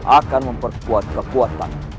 akan memperkuat kekuatan